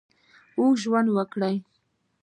اوږد ژوند ورکړي.